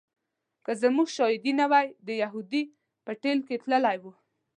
که زموږ شاهدي نه وای د یهودي په ټېل کې تللی و.